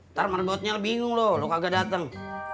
ntar merbotnya bingung lu lu kagak dateng